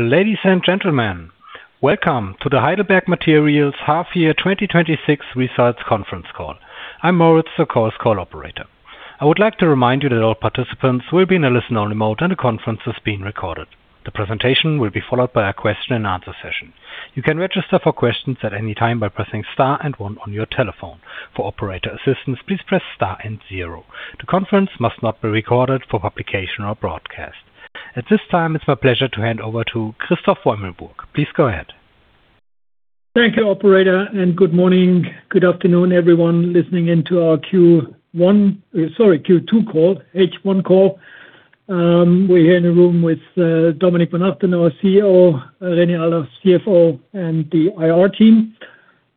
Ladies and gentlemen, welcome to the Heidelberg Materials Half Year 2026 Results Conference Call. I'm Moritz, your call's call operator. I would like to remind you that all participants will be in a listen-only mode, and the conference is being recorded. The presentation will be followed by a question and answer session. You can register for questions at any time by pressing star and one on your telephone. For operator assistance, please press star and zero. The conference must not be recorded for publication or broadcast. At this time, it's my pleasure to hand over to Christoph Beumelburg. Please go ahead. Thank you, operator. Good morning, good afternoon everyone listening into our Q2 call, H1 call. We're here in a room with Dominik von Achten, our CEO, René Aldach, CFO, and the IR team.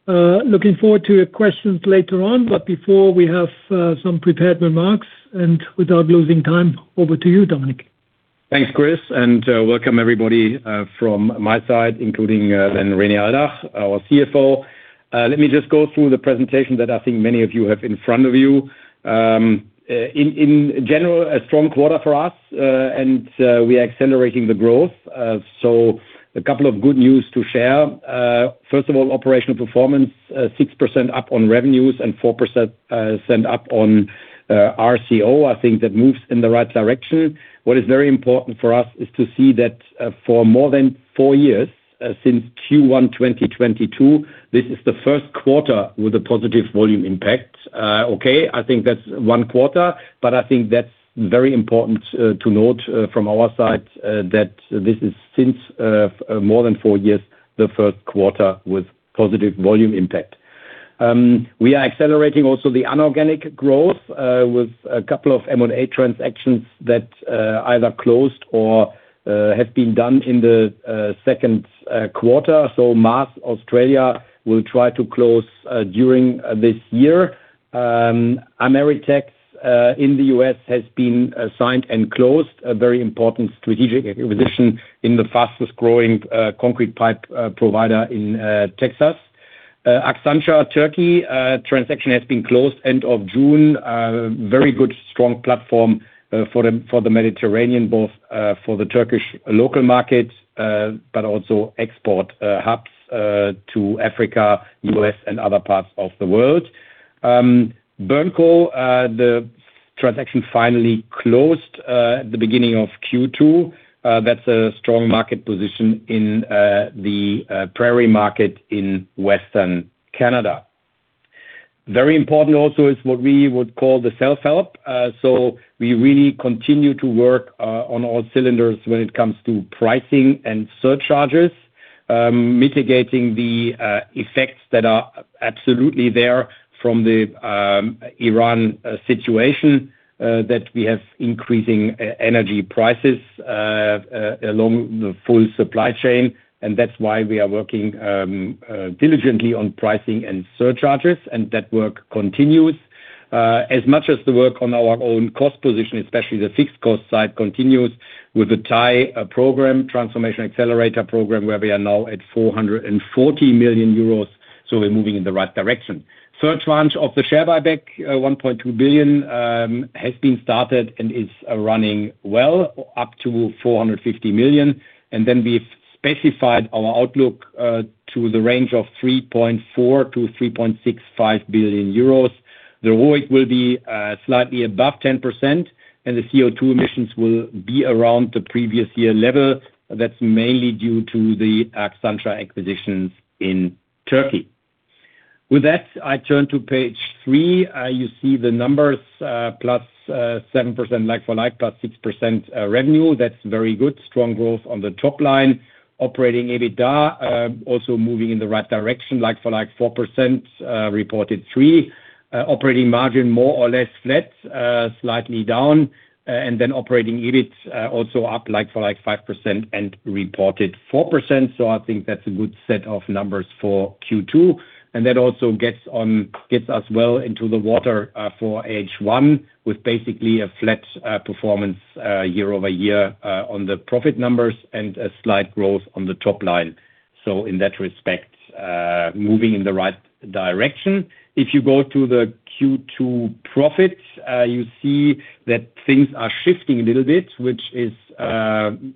Looking forward to your questions later on. Before we have some prepared remarks, without losing time, over to you, Dominik. Thanks, Chris. Welcome everybody from my side, including René Aldach, our CFO. Let me just go through the presentation that I think many of you have in front of you. In general, a strong quarter for us. We are accelerating the growth. A couple of good news to share. First of all, operational performance, 6% up on revenues and 4% up on RCO. I think that moves in the right direction. What is very important for us is to see that for more than four years, since Q1 2022, this is the first quarter with a positive volume impact. Okay. I think that's one quarter. I think that's very important to note from our side, that this is since more than four years, the first quarter with positive volume impact. We are accelerating also the inorganic growth, with a couple of M&A transactions that either closed or have been done in the second quarter. MAAS Australia will try to close during this year. AmeriTex in the U.S. has been signed and closed, a very important strategic acquisition in the fastest-growing concrete pipe provider in Texas. Akçansa Turkey transaction has been closed end of June. Very good, strong platform for the Mediterranean, both for the Turkish local market, but also export hubs to Africa, U.S., and other parts of the world. BURNCO, the transaction finally closed at the beginning of Q2. That's a strong market position in the Prairie market in Western Canada. Very important also is what we would call the self-help. We really continue to work on all cylinders when it comes to pricing and surcharges, mitigating the effects that are absolutely there from the Iran situation, that we have increasing energy prices along the full supply chain. That's why we are working diligently on pricing and surcharges, and that work continues. As much as the work on our own cost position, especially the fixed cost side, continues with the TAI program, Transformation Accelerator Initiative, where we are now at 440 million euros. We're moving in the right direction. Third tranche of the share buyback, 1.2 billion, has been started and is running well, up to 450 million. We've specified our outlook to the range of 3.4 billion-3.65 billion euros. The ROIC will be slightly above 10%, and the CO2 emissions will be around the previous year level. That's mainly due to the Akçansa acquisitions in Turkey. With that, I turn to page three. You see the numbers, plus 7% like-for-like, plus 6% revenue. That's very good. Strong growth on the top line. Operating EBITDA also moving in the right direction, like-for-like 4%, reported 3%. Operating margin, more or less flat, slightly down. Operating EBIT also up like-for-like 5% and reported 4%. I think that's a good set of numbers for Q2. That also gets us well into the water for H1, with basically a flat performance year-over-year on the profit numbers and a slight growth on the top line. In that respect, moving in the right direction. If you go to the Q2 profits, you see that things are shifting a little bit, which is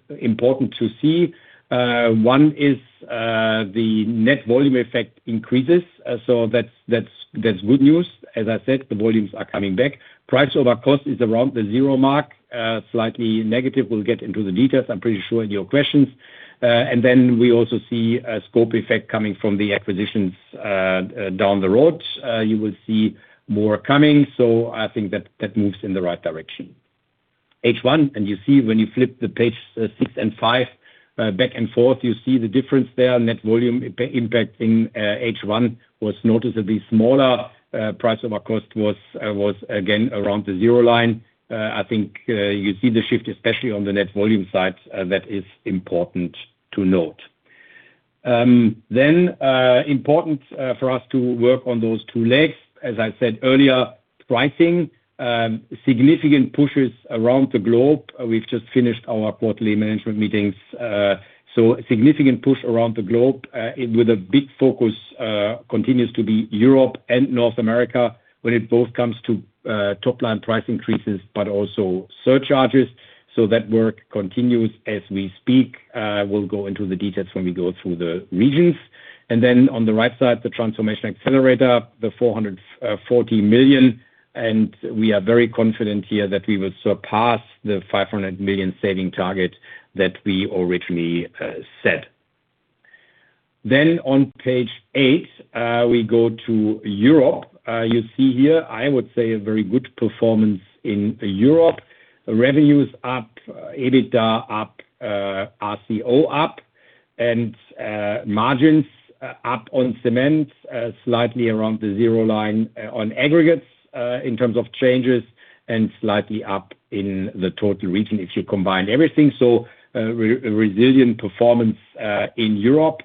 important to see. One is the net volume effect increases, that's good news. As I said, the volumes are coming back. Price over cost is around the zero mark, slightly negative. We'll get into the details, I'm pretty sure, in your questions. We also see a scope effect coming from the acquisitions down the road. You will see more coming. I think that moves in the right direction. H1, you see when you flip the page six and five back and forth, you see the difference there. Net volume impact in H1 was noticeably smaller. Price over cost was again around the zero line. I think you see the shift, especially on the net volume side, that is important to note. Important for us to work on those two legs. As I said earlier, pricing. Significant pushes around the globe. We've just finished our quarterly management meetings. Significant push around the globe, with a big focus continues to be Europe and North America, when it both comes to top line price increases but also surcharges. That work continues as we speak. We'll go into the details when we go through the regions. On the right side, the Transformation Accelerator Initiative, the 440 million, and we are very confident here that we will surpass the 500 million saving target that we originally set. On page eight, we go to Europe. You see here, I would say a very good performance in Europe. Revenues up, EBITDA up, RCO up, and margins up on cement, slightly around the zero line on aggregates, in terms of changes, and slightly up in the total region if you combine everything. Resilient performance in Europe,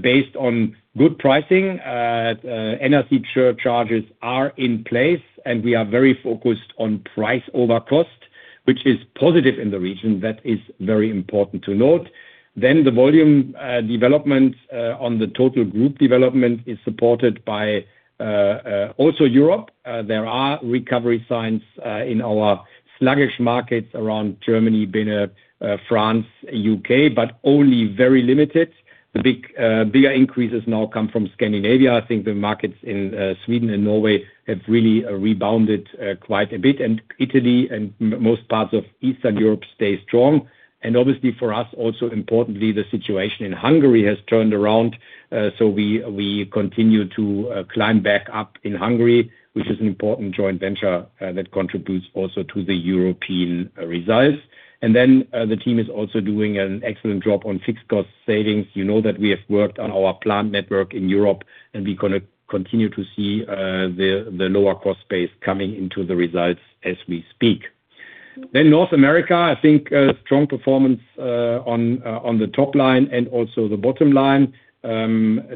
based on good pricing. Energy surcharges are in place. We are very focused on price over cost, which is positive in the region. That is very important to note. The volume development on the total group development is supported by also Europe. There are recovery signs in our sluggish markets around Germany, Benelux, France, U.K., but only very limited. The bigger increases now come from Scandinavia. I think the markets in Sweden and Norway have really rebounded quite a bit. Italy and most parts of Eastern Europe stay strong. Obviously for us also, importantly, the situation in Hungary has turned around. We continue to climb back up in Hungary, which is an important joint venture, that contributes also to the European results. The team is also doing an excellent job on fixed cost savings. You know that we have worked on our plant network in Europe. We're going to continue to see the lower cost base coming into the results as we speak. North America, I think a strong performance on the top line and also the bottom line.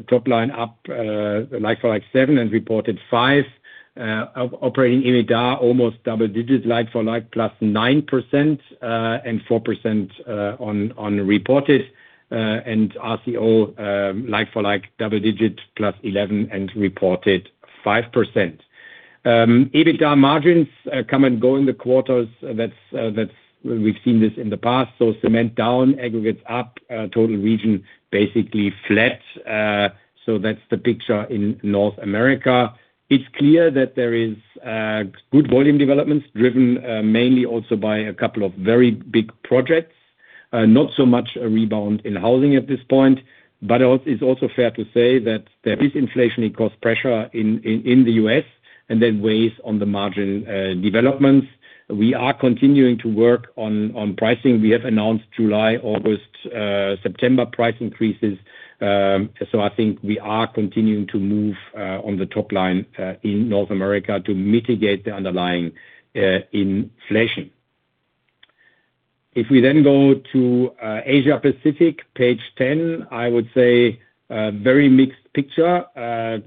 Top line up like for like seven and reported five. Operating EBITDA almost double digits like for like plus 9%, 4% on reported. RCO like for like double digit plus 11 and reported 5%. EBITDA margins come and go in the quarters. We've seen this in the past. Cement down, aggregates up, total region basically flat. That's the picture in North America. It's clear that there is good volume developments driven mainly also by a couple of very big projects. Not so much a rebound in housing at this point, but it's also fair to say that there is inflationary cost pressure in the U.S. That weighs on the margin developments. We are continuing to work on pricing. We have announced July, August, September price increases. I think we are continuing to move on the top line in North America to mitigate the underlying inflation. If we go to Asia Pacific, page 10, I would say a very mixed picture.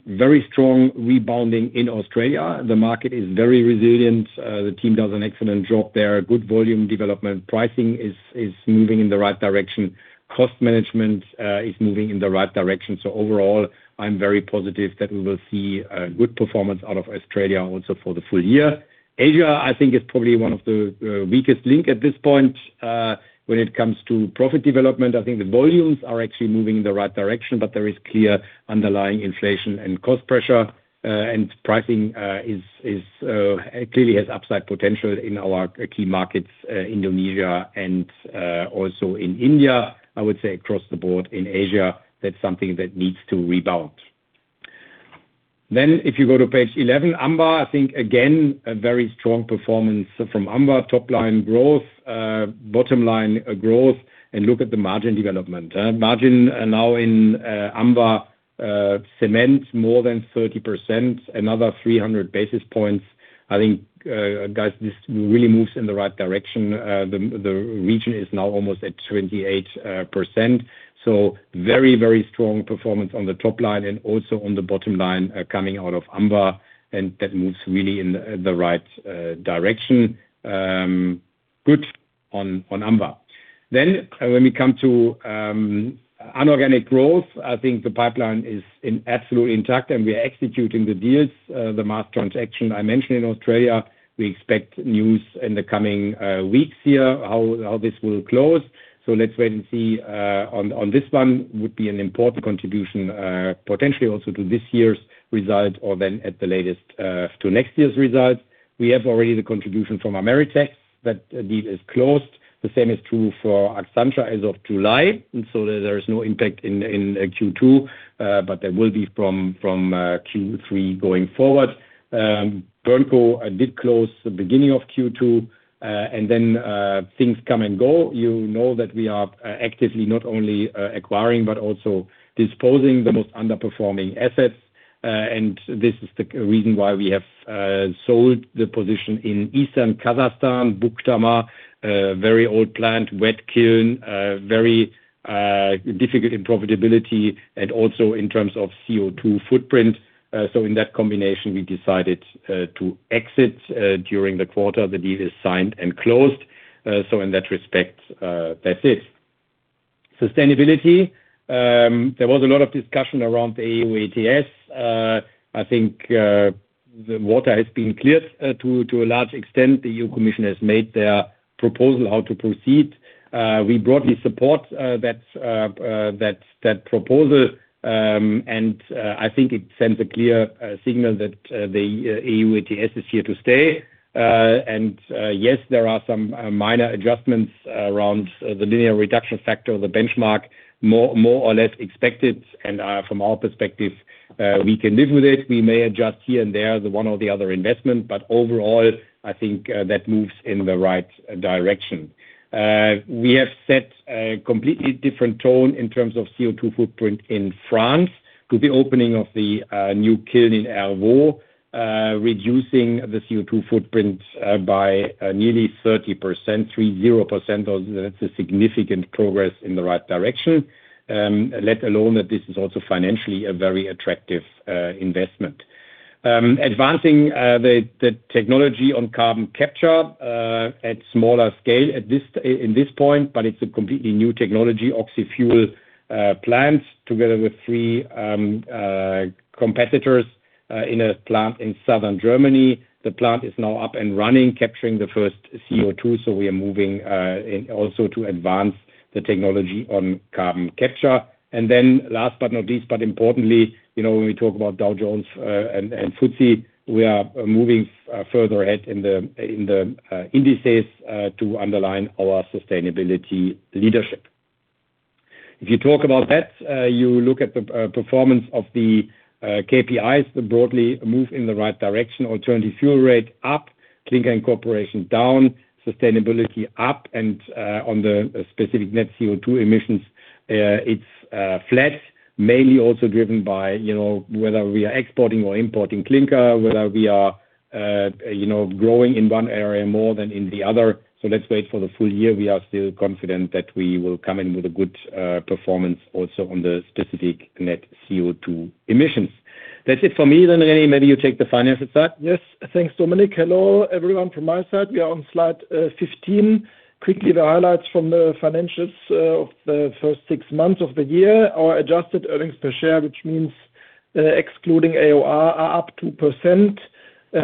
Very strong rebounding in Australia. The market is very resilient. The team does an excellent job there. Good volume development. Pricing is moving in the right direction. Cost management is moving in the right direction. Overall, I'm very positive that we will see a good performance out of Australia also for the full year. Asia, I think is probably one of the weakest link at this point, when it comes to profit development. I think the volumes are actually moving in the right direction, but there is clear underlying inflation and cost pressure. Pricing clearly has upside potential in our key markets, Indonesia and also in India, I would say across the board in Asia, that's something that needs to rebound. If you go to page 11, AMWA, I think again, a very strong performance from AMWA. Top line growth, bottom line growth. Look at the margin development. Margin now in AMWA Cement more than 30%, another 300 basis points. I think, guys, this really moves in the right direction. The region is now almost at 28%, very strong performance on the top line and also on the bottom line coming out of AMWA, that moves really in the right direction. Good on AMWA. When we come to inorganic growth, I think the pipeline is absolutely intact and we are executing the deals. The MAAS transaction I mentioned in Australia, we expect news in the coming weeks here, how this will close. Let's wait and see on this one. Would be an important contribution, potentially also to this year's result or at the latest, to next year's results. We have already the contribution from AmeriTex. That deal is closed. The same is true for Akçansa as of July. There is no impact in Q2, but there will be from Q3 going forward. BURNCO did close the beginning of Q2. Things come and go. You know that we are actively not only acquiring but also disposing the most underperforming assets. This is the reason why we have sold the position in Eastern Kazakhstan, Bukhtarma. Very old plant, wet kiln, very difficult in profitability and also in terms of CO2 footprint. In that combination, we decided to exit during the quarter. The deal is signed and closed. In that respect, that's it. Sustainability, there was a lot of discussion around the EU ETS. I think the water has been cleared to a large extent. The EU Commission has made their proposal on how to proceed. We broadly support that proposal, and I think it sends a clear signal that the EU ETS is here to stay. Yes, there are some minor adjustments around the linear reduction factor or the benchmark, more or less expected. From our perspective, we can live with it. We may adjust here and there the one or the other investment, but overall, I think that moves in the right direction. We have set a completely different tone in terms of CO2 footprint in France with the opening of the new kiln in Airvault, reducing the CO2 footprint by nearly 30%, 30%. That's a significant progress in the right direction, let alone that this is also financially a very attractive investment. Advancing the technology on carbon capture at smaller scale in this point, but it's a completely new technology, Pure Oxyfuel plants, together with three competitors in a plant in southern Germany. The plant is now up and running, capturing the first CO2. We are moving also to advance the technology on carbon capture. Last but not least, but importantly, when we talk about Dow Jones and FTSE, we are moving further ahead in the indices to underline our sustainability leadership. If you talk about that, you look at the performance of the KPIs, they broadly move in the right direction. Alternative fuel rate up, clinker incorporation down, sustainability up, and on the specific net CO2 emissions, it's flat. Mainly also driven by whether we are exporting or importing clinker, whether we are growing in one area more than in the other. Let's wait for the full year. We are still confident that we will come in with a good performance also on the specific net CO2 emissions. That's it for me. René, maybe you take the financial side. Yes. Thanks, Dominik. Hello, everyone from my side. We are on Slide 15. Quickly, the highlights from the financials of the first six months of the year. Our adjusted earnings per share, which means excluding AOR, are up 2%,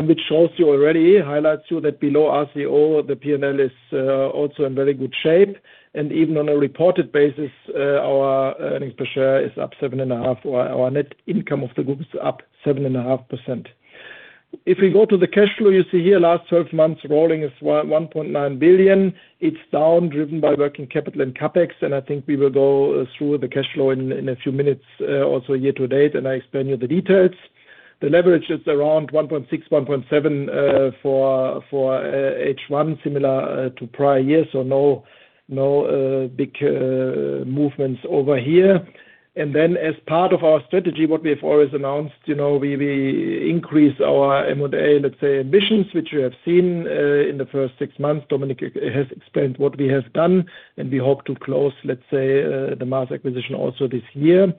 which also already highlights you that below RCO, the P&L is also in very good shape. Even on a reported basis, our earnings per share is up seven and a half, or our net income of the group is up 7.5%. If we go to the cash flow, you see here last 12 months rolling is 1.9 billion. It is down, driven by working capital and CapEx. I think we will go through the cash flow in a few minutes also year to date. I explain you the details. The leverage is around 1.6, 1.7 for H1, similar to prior years. No big movements over here. As part of our strategy, what we have always announced, we increase our M&A, let's say, ambitions, which we have seen in the first six months. Dominik has explained what we have done. We hope to close, let's say, the MAAS acquisition also this year.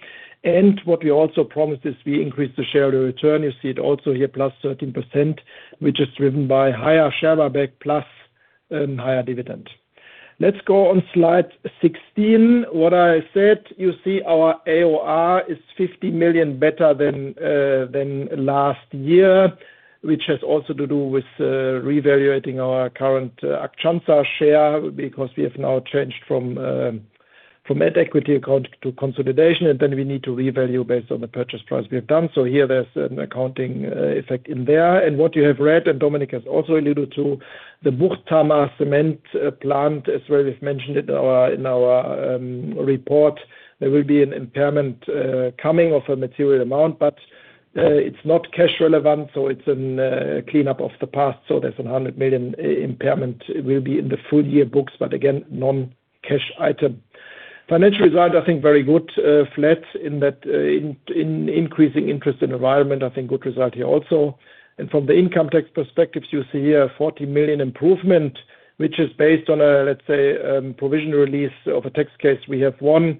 What we also promised is we increase the share return. You see it also here, +13%, which is driven by higher share buyback plus higher dividend. Let's go on Slide 16. What I said, you see our AOR is 50 million better than last year, which has also to do with revaluating our current aktienoption share because we have now changed from at equity account to consolidation. We need to revalue based on the purchase price we have done. Here, there is an accounting effect in there. What you have read, Dominik has also alluded to, the Burglengenfeld cement plant, as we have mentioned in our report, there will be an impairment coming of a material amount, but it is not cash relevant, it is a cleanup of the past. There is a 100 million impairment will be in the full year books, but again, non-cash item. Financial result, I think very good. Flat in increasing interest in environment, I think good result here also. From the income tax perspectives, you see here 40 million improvement, which is based on a, let's say, provision release of a tax case we have won,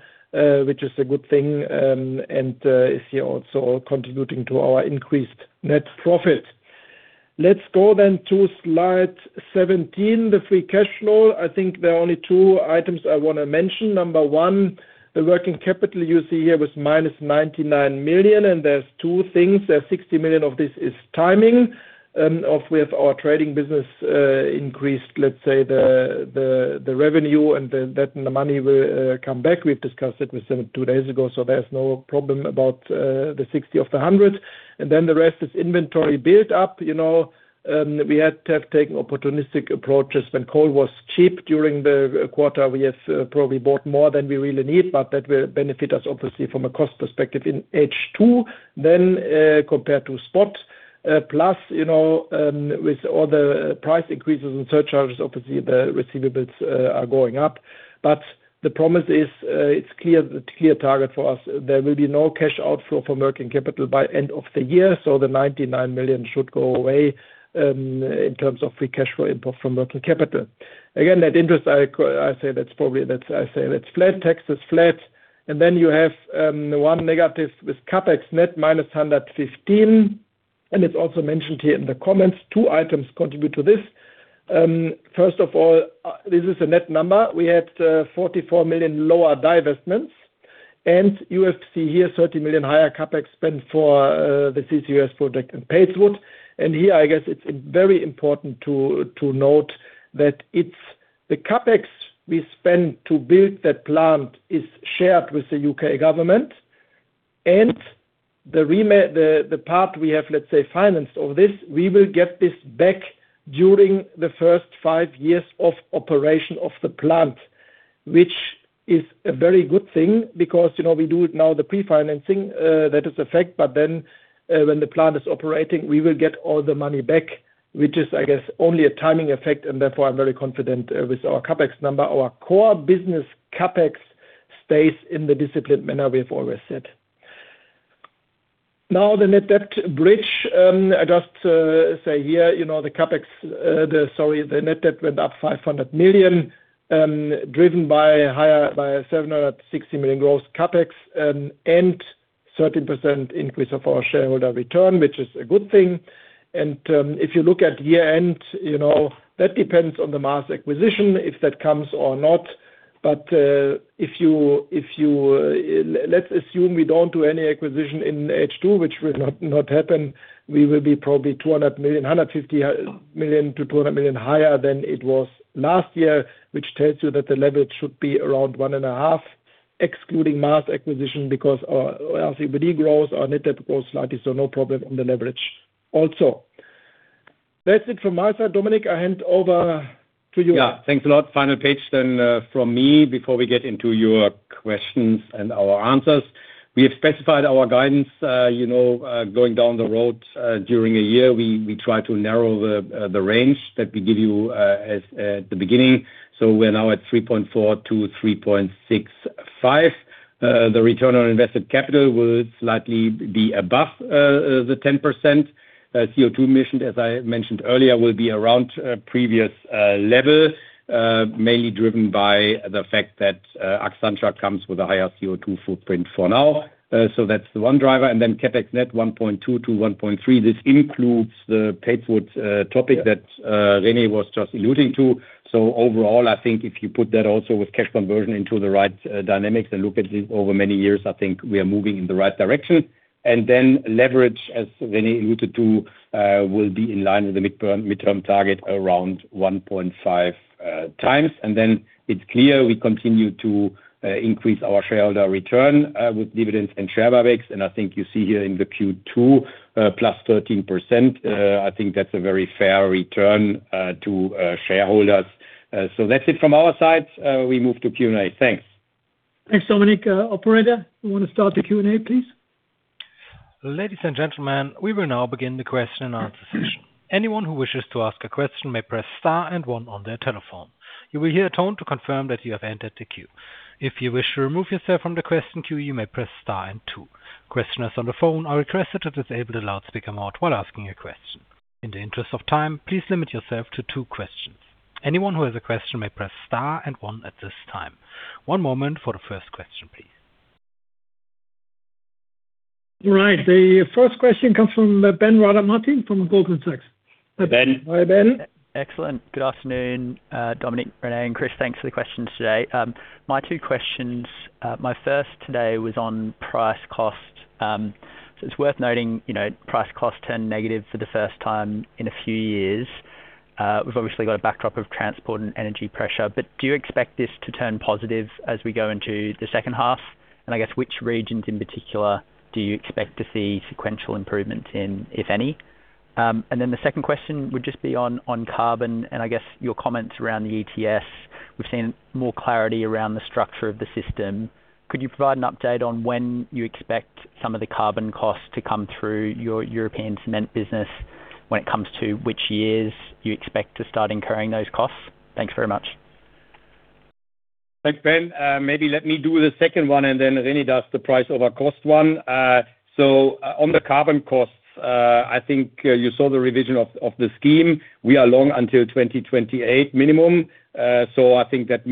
which is a good thing. It is here also contributing to our increased net profit. Let's go to Slide 17, the free cash flow. I think there are only two items I want to mention. Number one, the working capital you see here was -99 million. There are two things. There is 60 million of this is timing, with our trading business increased, let's say, the revenue. That money will come back. We have discussed it with them two days ago. There is no problem about the 60 of the 100. The rest is inventory build-up. We had to have taken opportunistic approaches when coal was cheap during the quarter. We have probably bought more than we really need, but that will benefit us, obviously, from a cost perspective in H2 than compared to spot. Plus, with all the price increases and surcharges, obviously, the receivables are going up. The promise is, it is clear target for us. There will be no cash outflow from working capital by end of the year. The 99 million should go away, in terms of free cash flow input from working capital. Again, net interest, I say that's flat. Tax is flat. Then you have one negative with CapEx net, -115. It's also mentioned here in the comments, two items contribute to this. First of all, this is a net number. We had 44 million lower divestments and you will see here 30 million higher CapEx spend for the CCUS project in Padeswood. Here, I guess it's very important to note that it's the CapEx we spend to build that plant is shared with the U.K. government and the part we have, let's say, financed over this, we will get this back during the first five years of operation of the plant, which is a very good thing because we do it now the pre-financing, that is a fact. When the plant is operating, we will get all the money back, which is, I guess, only a timing effect, and therefore I am very confident with our CapEx number. Our core business CapEx stays in the disciplined manner we have always said. The net debt bridge, just to say here, the net debt went up 500 million, driven by 760 million gross CapEx and 13% increase of our shareholder return, which is a good thing. If you look at year-end, that depends on the Maas acquisition, if that comes or not. Let's assume we do not do any acquisition in H2, which will not happen. We will be probably 150 million-200 million higher than it was last year, which tells you that the leverage should be around 1.5, excluding Maas acquisition because our LCBD grows, our net debt grows slightly. No problem on the leverage also. That's it from my side. Dominik, I hand over to you. Yeah. Thanks a lot. Final page then from me, before we get into your questions and our answers. We have specified our guidance, going down the road, during a year, we try to narrow the range that we give you at the beginning. We are now at 3.4-3.65. The return on invested capital will slightly be above the 10%. CO2 emission, as I mentioned earlier, will be around previous level, mainly driven by the fact that Akçansa comes with a higher CO2 footprint for now. That's the one driver. Then CapEx net 1.2 billion-1.3 billion. This includes the Padeswood topic that René was just alluding to. Overall, I think if you put that also with cash conversion into the right dynamics and look at it over many years, I think we are moving in the right direction. Leverage, as René alluded to, will be in line with the midterm target around 1.5 times. It's clear we continue to increase our shareholder return with dividends and share buybacks. I think you see here in the Q2, plus 13%. I think that's a very fair return to shareholders. That's it from our side. We move to Q&A. Thanks. Thanks, Dominik. Operator, you want to start the Q&A, please? Ladies and gentlemen, we will now begin the question and answer session. Anyone who wishes to ask a question may press star and one on their telephone. You will hear a tone to confirm that you have entered the queue. If you wish to remove yourself from the question queue, you may press star and two. Questioners on the phone are requested to disable the loudspeaker mode while asking a question. In the interest of time, please limit yourself to two questions. Anyone who has a question may press star and one at this time. One moment for the first question, please. Right. The first question comes from Ben Rada Martin from Goldman Sachs. Ben. Hi, Ben. Excellent. Good afternoon, Dominik, René, and Chris. Thanks for the questions today. My two questions. My first today was on price cost. It's worth noting, price cost turned negative for the first time in a few years. We've obviously got a backdrop of transport and energy pressure, do you expect this to turn positive as we go into the second half? I guess, which regions in particular do you expect to see sequential improvements in, if any? The second question would just be on carbon and I guess your comments around the ETS. We've seen more clarity around the structure of the system. Could you provide an update on when you expect some of the carbon costs to come through your European cement business when it comes to which years you expect to start incurring those costs? Thanks very much. Thanks, Ben. Maybe let me do the second one and then René does the price over cost one. On the carbon costs, I think you saw the revision of the scheme. We are long until 2028 minimum. I think that's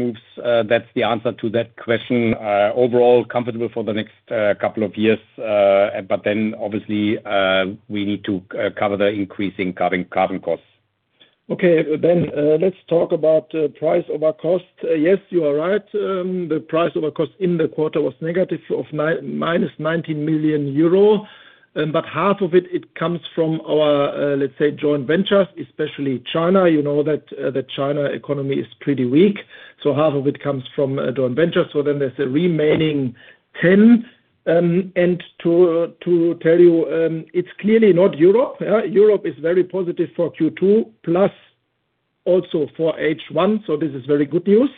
the answer to that question. Overall comfortable for the next couple of years. Obviously, we need to cover the increasing carbon costs. Okay. Ben, let's talk about price over cost. Yes, you are right. The price over cost in the quarter was negative of minus 90 million euro. Half of it comes from our, let's say, joint ventures, especially China. You know that the China economy is pretty weak, half of it comes from a joint venture. There's a remaining 10. To tell you, it's clearly not Europe. Europe is very positive for Q2 plus also for H1, this is very good news.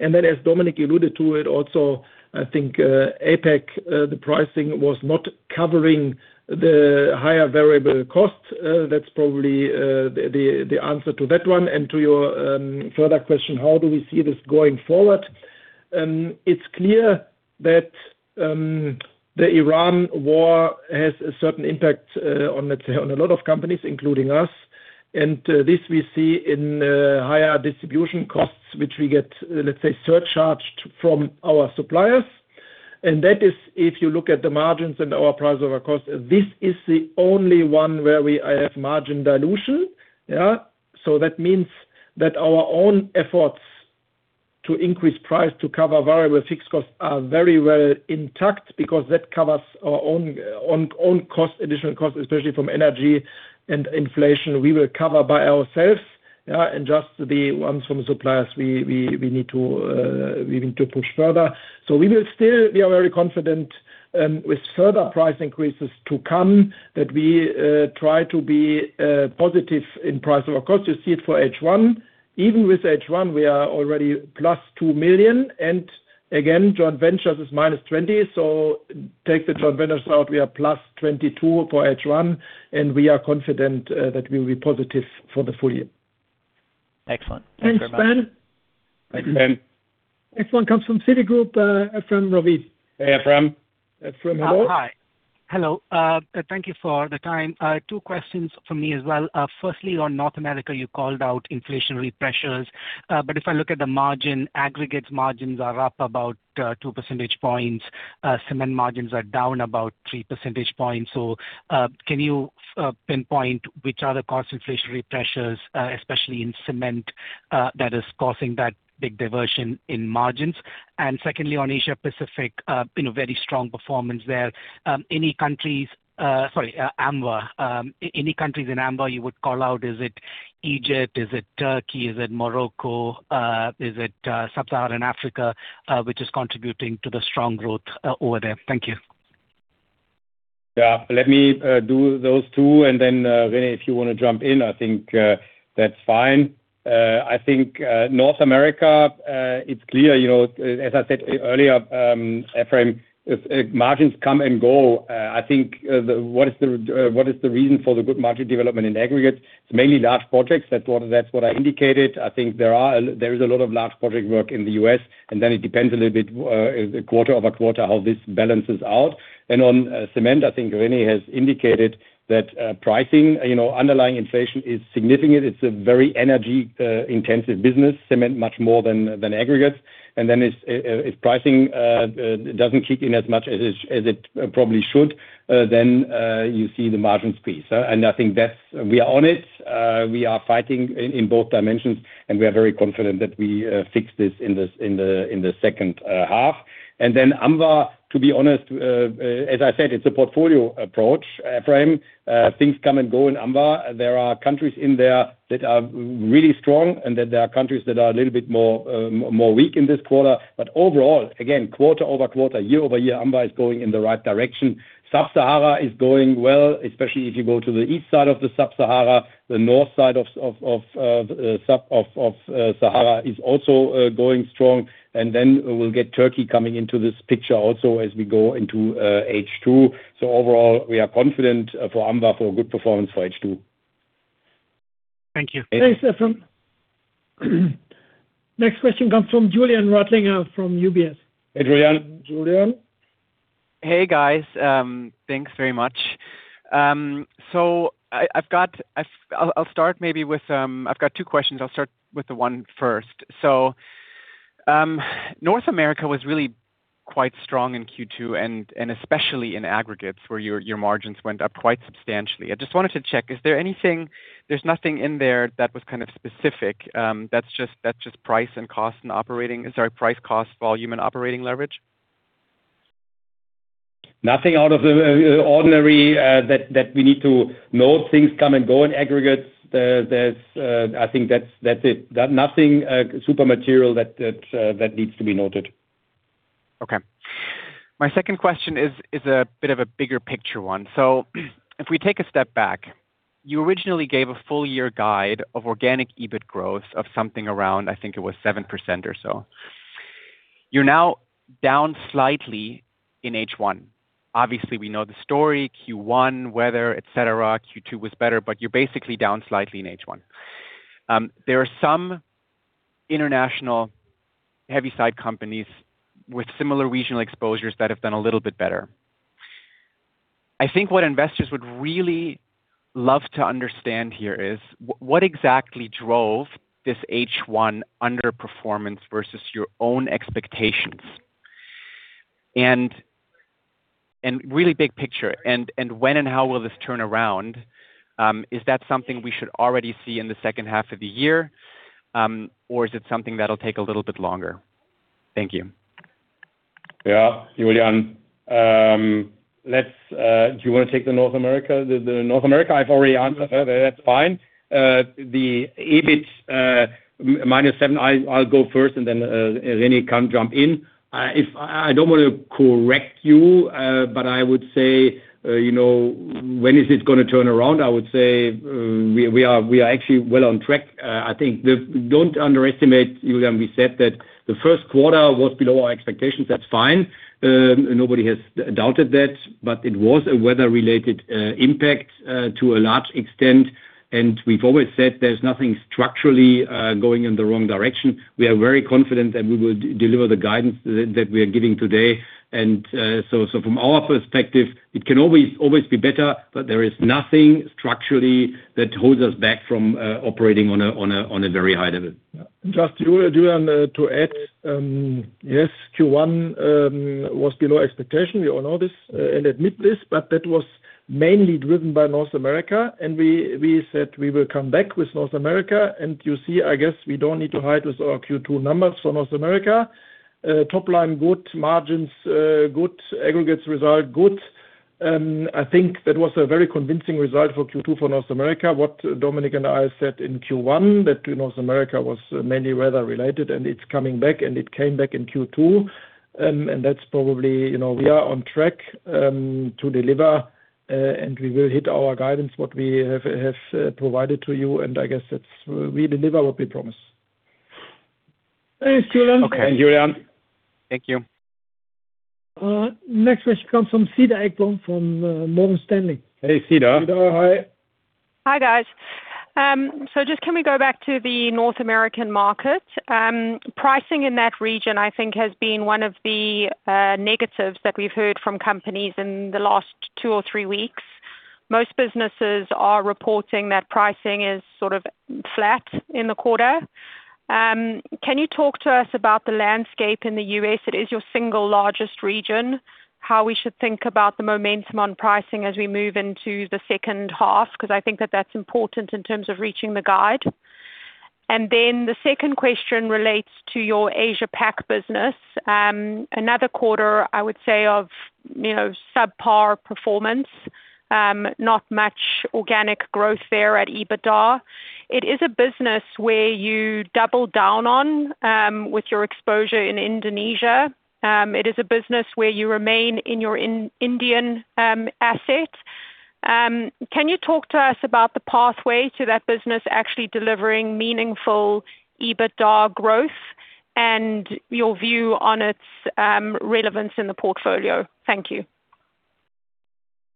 As Dominik alluded to it also, I think APAC, the pricing was not covering the higher variable costs. That's probably the answer to that one. To your further question, how do we see this going forward? It's clear that the Iran war has a certain impact on a lot of companies, including us. This we see in higher distribution costs, which we get, let's say, surcharged from our suppliers. That is if you look at the margins and our price over cost, this is the only one where I have margin dilution. That means that our own efforts to increase price to cover variable fixed costs are very well intact because that covers our own cost, additional cost, especially from energy and inflation, we will cover by ourselves. Just the ones from suppliers, we need to push further. We will still be very confident with further price increases to come, that we try to be positive in price. Of course, you see it for H1. Even with H1, we are already plus 2 million, and again, joint ventures is minus 20 million. Take the joint ventures out, we are plus 22 million for H1, and we are confident that we will be positive for the full year. Excellent. Thanks very much. Thanks, Ben. Thanks, Ben. Next one comes from Citigroup, Ephrem Ravi. Hey, Ephrem. Ephrem, hello. Hi. Hello. Thank you for the time. Two questions from me as well. Firstly, on North America, you called out inflationary pressures. If I look at the margin, aggregates margins are up about 2 percentage points. Cement margins are down about 3 percentage points. Can you pinpoint which are the cost inflationary pressures, especially in cement, that is causing that big divergence in margins? Secondly, on Asia Pacific, very strong performance there. Any countries, sorry, AMWA. Any countries in AMWA you would call out, is it Egypt? Is it Turkey? Is it Morocco? Is it Sub-Saharan Africa, which is contributing to the strong growth over there? Thank you. Let me do those two. René, if you want to jump in, I think, that's fine. North America, it's clear, as I said earlier, Ephrem, margins come and go. What is the reason for the good margin development in aggregate, it's mainly large projects. That's what I indicated. There is a lot of large project work in the U.S., it depends a little bit, quarter-over-quarter, how this balances out. On cement, René has indicated that pricing, underlying inflation is significant. It's a very energy intensive business, cement much more than aggregate. If pricing doesn't kick in as much as it probably should, you see the margins squeeze. We are on it. We are fighting in both dimensions. We are very confident that we fix this in the second half. AMWA, to be honest, as I said, it's a portfolio approach, Ephrem. Things come and go in AMWA. There are countries in there that are really strong. There are countries that are a little bit more weak in this quarter. Overall, again, quarter-over-quarter, year-over-year, AMWA is going in the right direction. Sub-Sahara is going well, especially if you go to the east side of Sub-Sahara. The north side of Sahara is also going strong. We'll get Turkey coming into this picture also as we go into H2. Overall, we are confident for AMWA for a good performance for H2. Thank you. Thanks, Ephrem. Next question comes from Julian Radlinger from UBS. Hey, Julian. Julian? Hey, guys. Thanks very much. I've got two questions. I'll start with the one first. North America was really quite strong in Q2, and especially in aggregates where your margins went up quite substantially. I just wanted to check, there's nothing in there that was kind of specific, that's just price and cost and operating, sorry, price, cost, volume and operating leverage? Nothing out of the ordinary that we need to note. Things come and go in aggregates. I think that's it. Nothing super material that needs to be noted. My second question is a bit of a bigger picture one. If we take a step back, you originally gave a full year guide of organic EBIT growth of something around, I think it was 7% or so. You're now down slightly in H1. Obviously, we know the story, Q1, weather, et cetera. Q2 was better, but you're basically down slightly in H1. There are some international heavy side companies with similar regional exposures that have done a little bit better. I think what investors would really love to understand here is, what exactly drove this H1 underperformance versus your own expectations? Really big picture, when and how will this turn around? Is that something we should already see in the second half of the year? Or is it something that'll take a little bit longer? Thank you. Yeah. Julian, do you want to take the North America? The North America, I've already answered. That's fine. The EBIT minus seven, I'll go first and then René can jump in. I don't want to correct you, but I would say, when is this going to turn around? I would say we are actually well on track. I think don't underestimate, Julian, we said that the first quarter was below our expectations. That's fine. Nobody has doubted that it was a weather-related impact to a large extent, and we've always said there's nothing structurally going in the wrong direction. We are very confident that we will deliver the guidance that we are giving today. From our perspective, it can always be better, but there is nothing structurally that holds us back from operating on a very high level. Just Julian to add. Yes, Q1 was below expectation. We all know this and admit this, that was mainly driven by North America, and we said we will come back with North America, and you see, I guess we don't need to hide with our Q2 numbers for North America. Top line good, margins good, aggregates result good. I think that was a very convincing result for Q2 for North America. What Dominik and I said in Q1, that North America was mainly weather related and it's coming back and it came back in Q2. That's probably, we are on track to deliver, and we will hit our guidance, what we have provided to you, and I guess it's we deliver what we promise. Thanks, Julian. Okay. Thank you, Julian. Thank you. Next question comes from Cedar Ekblom from Morgan Stanley. Hey, Cedar. Cedar, hi. Hi, guys. So, just can we go back to the North American market? Pricing in that region, I think, has been one of the negatives that we've heard from companies in the last two or three weeks. Most businesses are reporting that pricing is sort of flat in the quarter. Can you talk to us about the landscape in the U.S.? It is your single largest region, how we should think about the momentum on pricing as we move into the second half, because I think that that's important in terms of reaching the guide. And then the second question relates to your Asia Pac business. Another quarter, I would say, of subpar performance. Not much organic growth there at EBITDA. It is a business where you double down on with your exposure in Indonesia. It is a business where you remain in your Indian assets. Can you talk to us about the pathway to that business actually delivering meaningful EBITDA growth and your view on its relevance in the portfolio? Thank you.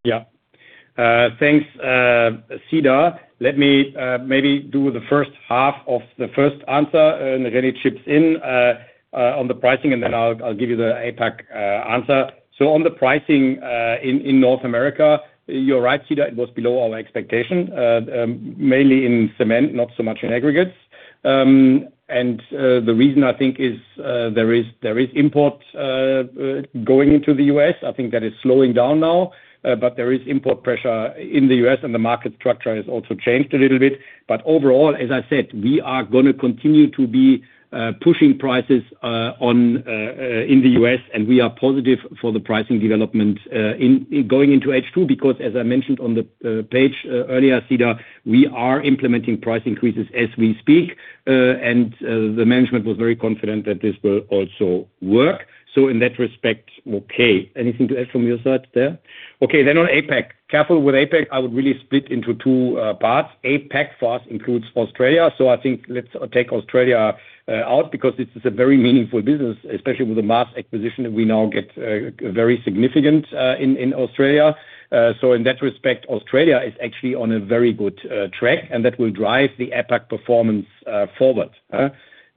Yeah. Thanks, Cedar. Let me maybe do the first half of the first answer and then René chips in on the pricing, and then I'll give you the APAC answer. On the pricing in North America, you're right, Cedar. It was below our expectation. Mainly in cement, not so much in aggregates. The reason I think is there is import going into the U.S. I think that is slowing down now. There is import pressure in the U.S., and the market structure has also changed a little bit. Overall, as I said, we are going to continue to be pushing prices in the U.S., and we are positive for the pricing development going into H2 because as I mentioned on the page earlier, Cedar, we are implementing price increases as we speak. The management was very confident that this will also work. In that respect, okay. Anything to add from your side there? On APAC. Careful with APAC, I would really split into two parts. APAC for us includes Australia. I think let's take Australia out because this is a very meaningful business, especially with the Maas acquisition that we now get very significant in Australia. In that respect, Australia is actually on a very good track, and that will drive the APAC performance forward.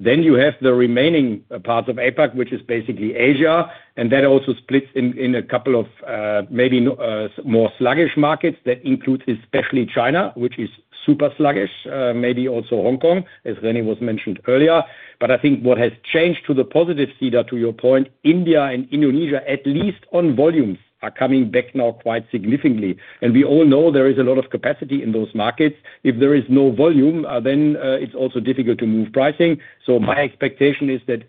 You have the remaining parts of APAC, which is basically Asia, and that also splits in a couple of maybe more sluggish markets. That includes especially China, which is super sluggish. Maybe also Hong Kong, as René was mentioned earlier. I think what has changed to the positive, Cedar, to your point, India and Indonesia, at least on volumes, are coming back now quite significantly. We all know there is a lot of capacity in those markets. If there is no volume, then it's also difficult to move pricing. My expectation is that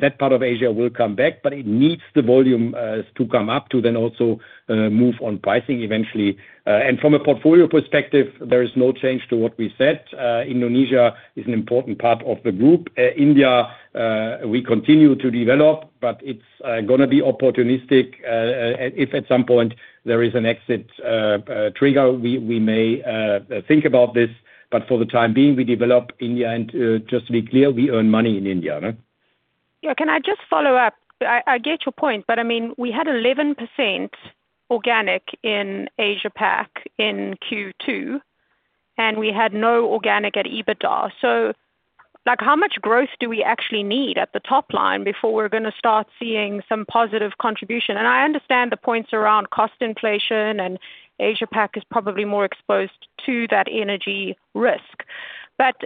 that part of Asia will come back, but it needs the volume to come up to then also move on pricing eventually. From a portfolio perspective, there is no change to what we said. Indonesia is an important part of the group. India, we continue to develop, but it's going to be opportunistic, if at some point there is an exit trigger, we may think about this, but for the time being, we develop India and just to be clear, we earn money in India. Yeah. Can I just follow up? I get your point, but I mean, we had 11% organic in Asia Pac in Q2. We had no organic at EBITDA. How much growth do we actually need at the top line before we're going to start seeing some positive contribution? I understand the points around cost inflation and Asia Pac is probably more exposed to that energy risk.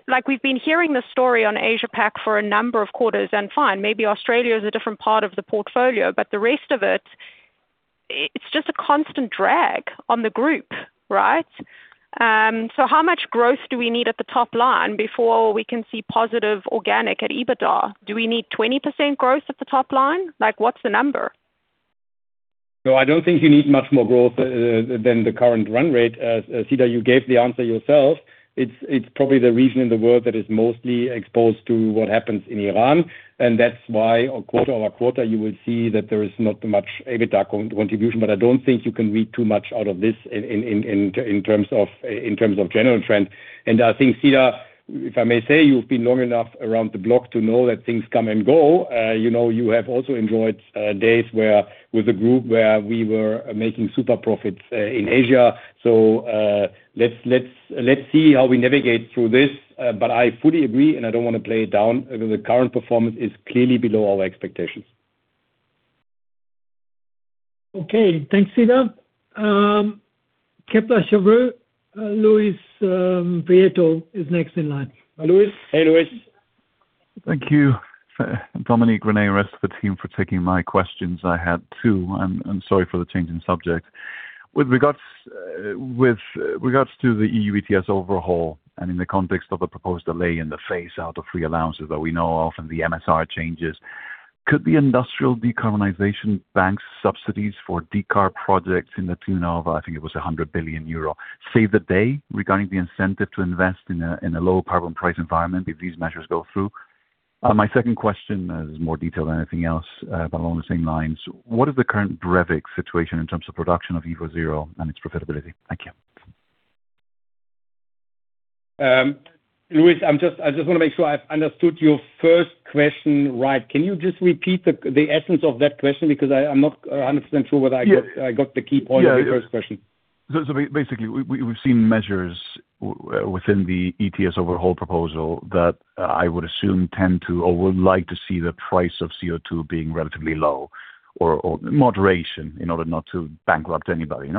Like we've been hearing this story on Asia Pac for a number of quarters, and fine, maybe Australia is a different part of the portfolio, but the rest of it's just a constant drag on the group, right? How much growth do we need at the top line before we can see positive organic at EBITDA? Do we need 20% growth at the top line? Like, what's the number? No, I don't think you need much more growth than the current run rate. Cedar, you gave the answer yourself. It's probably the region in the world that is mostly exposed to what happens in Iran, and that's why quarter-over-quarter, you will see that there is not much EBITDA contribution, but I don't think you can read too much out of this in terms of general trend. I think, Cedar, if I may say, you've been long enough around the block to know that things come and go. You have also enjoyed days with the group where we were making super profits in Asia. Let's see how we navigate through this. I fully agree, and I don't want to play it down. The current performance is clearly below our expectations. Okay. Thanks, Cedar. Kepler Cheuvreux, Luis Prieto is next in line. Hi, Luis. Hey, Luis. Thank you, Dominik, René, and rest of the team for taking my questions. I had two, and sorry for the change in subject. With regards to the EU ETS overhaul, and in the context of the proposed delay in the phase out of free allowances that we know of and the MSR changes, could the Industrial Decarbonisation Bank subsidies for decarb projects in the tune of, I think it was 100 billion euro, save the day regarding the incentive to invest in a low carbon price environment if these measures go through? My second question is more detailed than anything else, but along the same lines. What is the current Brevik situation in terms of production of evoZero and its profitability? Thank you. Luis, I just want to make sure I've understood your first question right. Can you just repeat the essence of that question? Because I'm not 100% sure whether I got the key point of your first question. Basically, we've seen measures within the ETS overhaul proposal that I would assume tend to or would like to see the price of CO2 being relatively low or moderation in order not to bankrupt anybody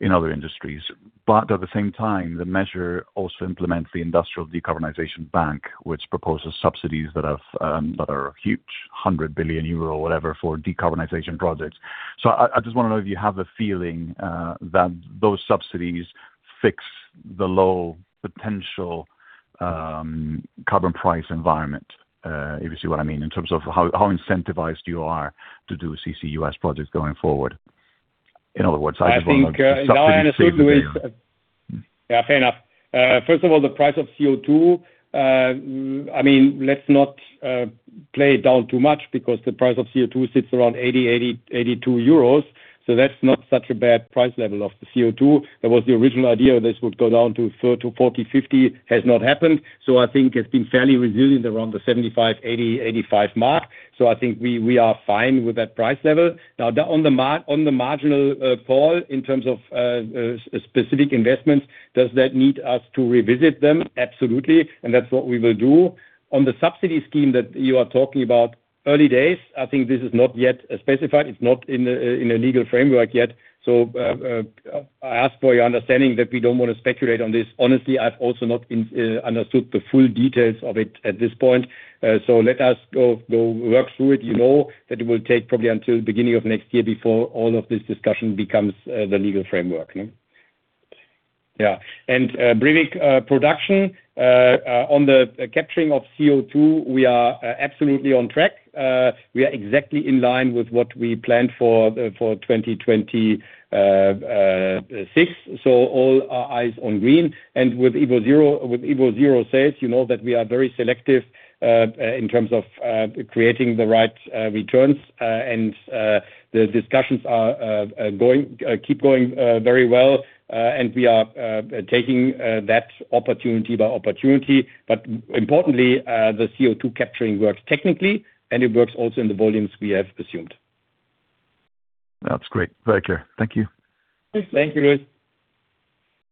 in other industries. At the same time, the measure also implements the Industrial Decarbonisation Bank, which proposes subsidies that are huge, 100 billion euro, whatever, for decarbonization projects. I just want to know if you have a feeling that those subsidies fix the low potential carbon price environment, if you see what I mean, in terms of how incentivized you are to do CCUS projects going forward. In other words, I just want to know, does the subsidy save the day? Now I understood, Luis. Yeah, fair enough. First of all, the price of CO2, let's not play it down too much because the price of CO2 sits around 80 euros, 82 euros, so that's not such a bad price level of the CO2. That was the original idea. This would go down to 40, 50, has not happened. I think it's been fairly resilient around the 75, 80, 85 mark. I think we are fine with that price level. Now, on the marginal fall in terms of specific investments, does that need us to revisit them? Absolutely. That's what we will do. On the subsidy scheme that you are talking about, early days, I think this is not yet specified. It's not in a legal framework yet. I ask for your understanding that we don't want to speculate on this. Honestly, I've also not understood the full details of it at this point. Let us go work through it. You know that it will take probably until the beginning of next year before all of this discussion becomes the legal framework. Yeah. Brevik production, on the capturing of CO2, we are absolutely on track. We are exactly in line with what we planned for 2026. All our eyes on green. With evoZero sales, you know that we are very selective in terms of creating the right returns. The discussions keep going very well, and we are taking that opportunity by opportunity. Importantly, the CO2 capturing works technically, and it works also in the volumes we have assumed. That's great. Very clear. Thank you. Thank you, Luis.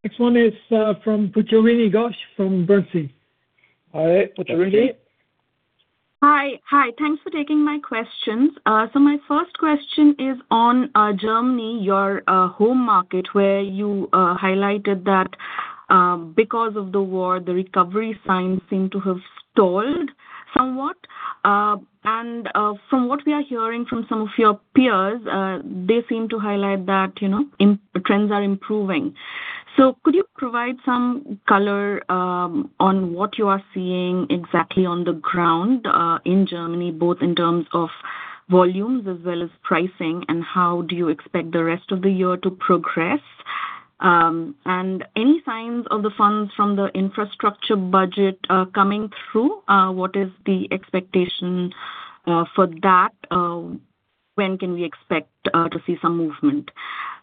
Next one is from Pujarini Ghosh from Bernstein. All right. Pujarini. Hi. Thanks for taking my questions. My first question is on Germany, your home market, where you highlighted that because of the war, the recovery signs seem to have stalled somewhat. From what we are hearing from some of your peers, they seem to highlight that trends are improving. Could you provide some color on what you are seeing exactly on the ground in Germany, both in terms of volumes as well as pricing, and how do you expect the rest of the year to progress? Any signs of the funds from the infrastructure budget coming through, what is the expectation for that? When can we expect to see some movement?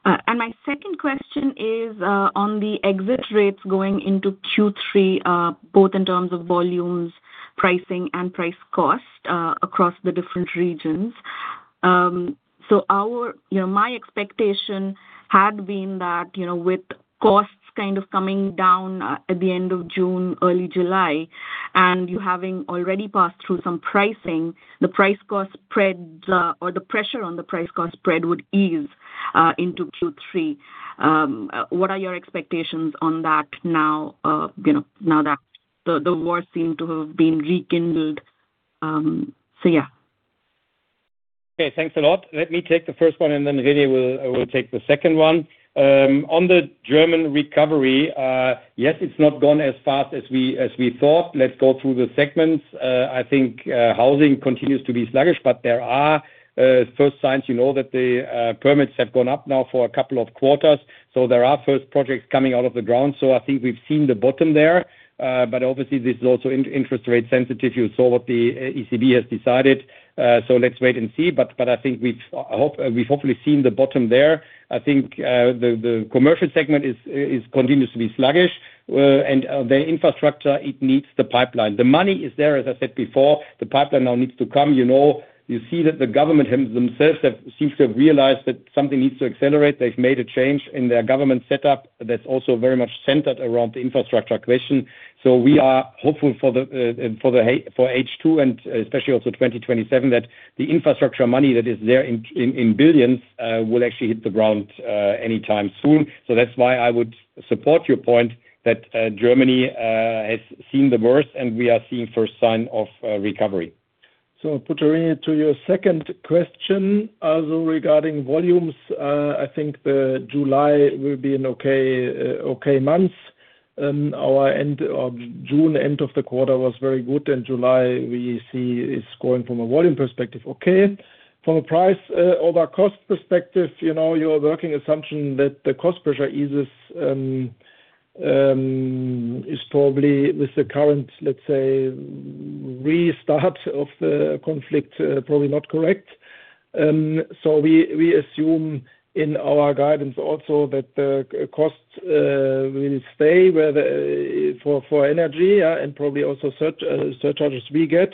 My second question is on the exit rates going into Q3, both in terms of volumes, pricing, and price cost across the different regions. My expectation had been that with costs kind of coming down at the end of June, early July, you having already passed through some pricing, the price-cost spread or the pressure on the price-cost spread would ease into Q3. What are your expectations on that now that the war seem to have been rekindled? Yeah. Okay. Thanks a lot. Let me take the first one, then René will take the second one. On the German recovery, yes, it's not gone as fast as we thought. Let's go through the segments. I think housing continues to be sluggish, there are first signs that the permits have gone up now for a couple of quarters. There are first projects coming out of the ground. I think we've seen the bottom there. Obviously, this is also interest rate sensitive. You saw what the ECB has decided. Let's wait and see, I think we've hopefully seen the bottom there. I think the commercial segment continuously sluggish, the infrastructure, it needs the pipeline. The money is there, as I said before. The pipeline now needs to come. You see that the government themselves seems to have realized that something needs to accelerate. They've made a change in their government setup that's also very much centered around the infrastructure question. We are hopeful for H2 and especially also 2027, that the infrastructure money that is there in billions will actually hit the ground anytime soon. That's why I would support your point that Germany has seen the worst, and we are seeing first sign of recovery. Putting it to your second question, also regarding volumes, I think the July will be an okay month. Our end of June, end of the quarter was very good, and July we see is going from a volume perspective okay. From a price over cost perspective, your working assumption that the cost pressure eases, is probably with the current, let's say, restart of the conflict, probably not correct. We assume in our guidance also that the cost will stay where for energy, and probably also surcharges we get.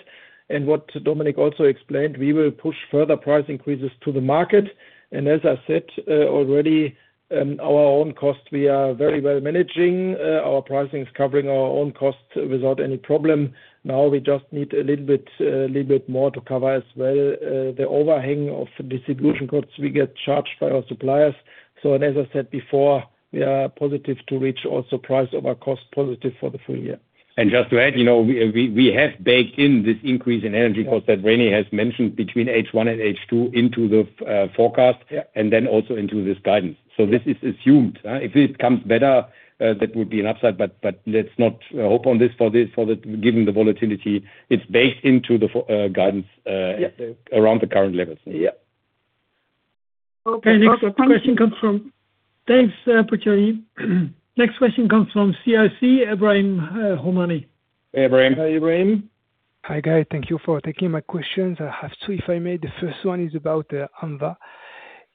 What Dominik also explained, we will push further price increases to the market. As I said, already our own cost, we are very well managing. Our pricing is covering our own costs without any problem. Now we just need a little bit more to cover as well, the overhang of distribution costs we get charged by our suppliers. As I said before, we are positive to reach also price over cost positive for the full year. Just to add, we have baked in this increase in energy cost that René has mentioned between H1 and H2 into the forecast. Yeah Then also into this guidance. This is assumed. If it comes better, that would be an upside, but let's not hope on this for the given the volatility, it's based into the guidance. Yeah around the current levels. Yeah. Okay. Next question comes from. Thanks, Pujarini. Next question comes from CIC, Ebrahim Homani. Hey, Ebrahim. Hi, Ebrahim. Hi, guys. Thank you for taking my questions. I have two if I may. The first one is about the AMWA.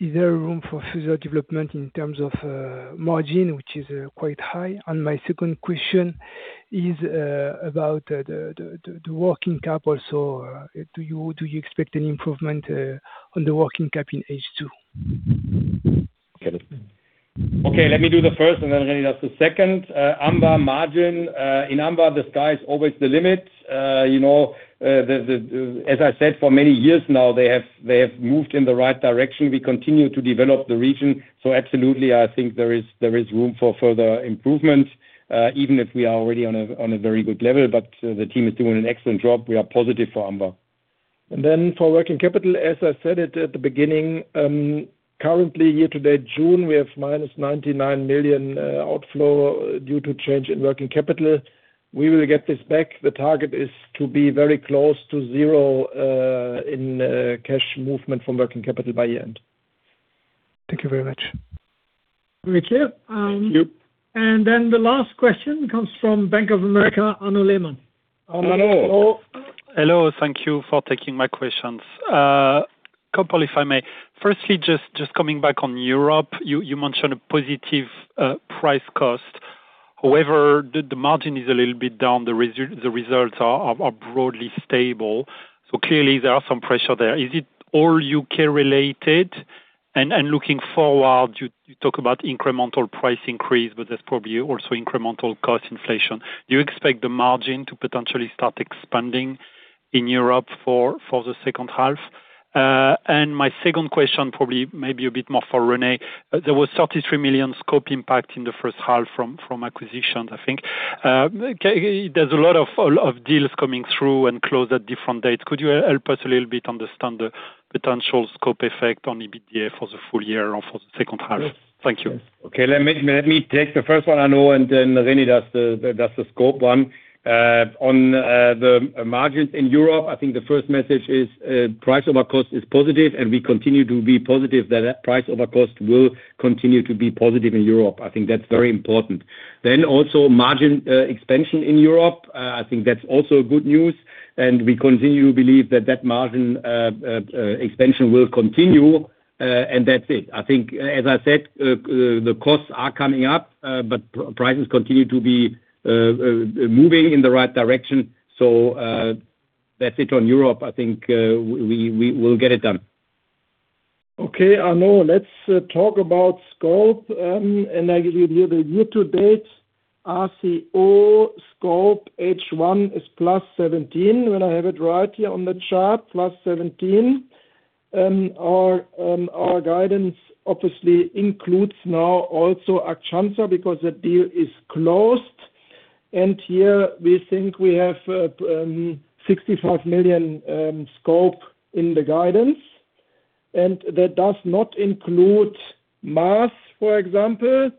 Is there room for future development in terms of margin, which is quite high? My second question is about the working capital. Do you expect an improvement on the working capital in H2? Okay. Let me do the first and then René does the second. AMWA margin. In AMWA, the sky's always the limit. As I said, for many years now, they have moved in the right direction. We continue to develop the region. Absolutely, I think there is room for further improvement, even if we are already on a very good level. The team is doing an excellent job. We are positive for AMWA. For working capital, as I said it at the beginning, currently year to date June, we have minus 99 million outflow due to change in working capital. We will get this back. The target is to be very close to zero in cash movement from working capital by year-end. Thank you very much. Very clear. Thank you. The last question comes from Bank of America, Arnaud Lehmann. Arnaud. Hello. Hello. Thank you for taking my questions. A couple if I may. Firstly, coming back on Europe, you mentioned a positive price cost. However, the margin is a little bit down. The results are broadly stable. Clearly there are some pressure there. Is it all UK related? Looking forward, you talk about incremental price increase, but there's probably also incremental cost inflation. Do you expect the margin to potentially start expanding in Europe for the second half? My second question probably maybe a bit more for René. There was 33 million scope impact in the first half from acquisitions, I think. There's a lot of deals coming through and close at different dates. Could you help us a little bit understand the potential scope effect on EBITDA for the full year or for the second half? Thank you. Let me take the first one, Arnaud, and then René does the scope one. On the margins in Europe, the first message is, price over cost is positive, and we continue to be positive that that price over cost will continue to be positive in Europe. That's very important. Also margin expansion in Europe. That's also good news, and we continue to believe that that margin expansion will continue. That's it. As I said, the costs are coming up, but prices continue to be moving in the right direction. That's it on Europe. We'll get it done. Arnaud, let's talk about scope. I give you the year to date, RCO scope H1 is plus 17 million, when I have it right here on the chart, plus 17 million. Our guidance obviously includes now also Akçansa because the deal is closed. Here we think we have 65 million scope in the guidance, and that does not include MAAS, for example,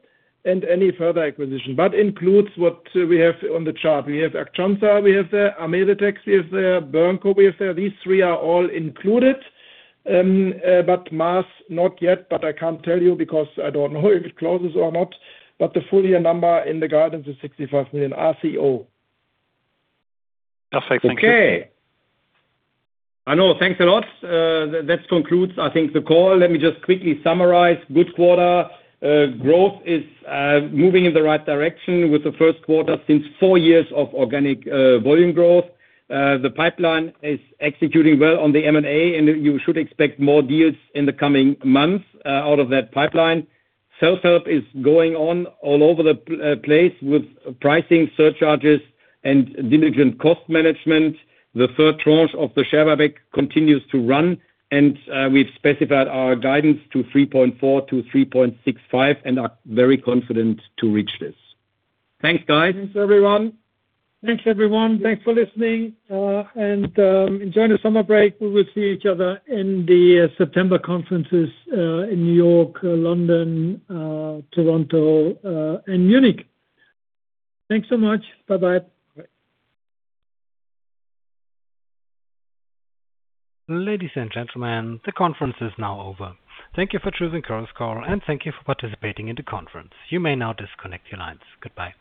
and any further acquisition, but includes what we have on the chart. We have Akçansa, we have the AmeriTex, we have the BURNCO. These three are all included. MAAS not yet, but I can't tell you because I don't know if it closes or not. The full year number in the guidance is 65 million RCO. Perfect. Thank you. Okay. Arnaud, thanks a lot. That concludes I think the call. Let me just quickly summarize. Good quarter. Growth is moving in the right direction with the first quarter since four years of organic volume growth. The pipeline is executing well on the M&A, and you should expect more deals in the coming months out of that pipeline. Self-help is going on all over the place with pricing surcharges and diligent cost management. The third tranche of the share buyback continues to run, and we've specified our guidance to 3.4 billion-3.65 billion and are very confident to reach this. Thanks, guys. Thanks, everyone. Thanks for listening. Enjoy the summer break. We will see each other in the September conferences in N.Y., London, Toronto, and Munich. Thanks so much. Bye-bye. Ladies and gentlemen, the conference is now over. Thank you for choosing Chorus Call, thank you for participating in the conference. You may now disconnect your lines. Goodbye